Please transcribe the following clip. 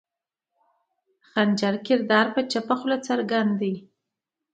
خنجر کردار پۀ چپه خله څرګند دے